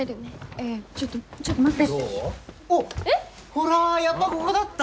ほらやっぱこごだった！